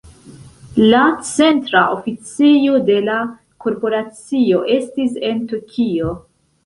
La centra oficejo de la korporacio estis en Tokio.